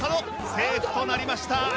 セーフとなりました。